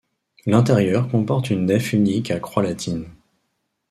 L'intérieur comporte une nef unique à croix latine.